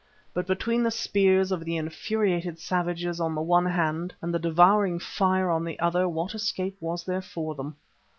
But between the spears of the infuriated savages on the one hand and the devouring fire on the other what escape was there for them?